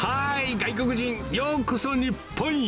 外国人、ようこそ日本へ。